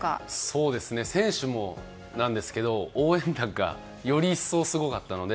そうですね、選手もですけど応援団がより一層すごかったので。